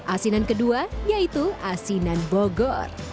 asinan kedua yaitu asinan bogor